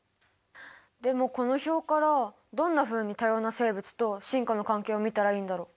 でもこの表からどんなふうに多様な生物と進化の関係を見たらいいんだろう？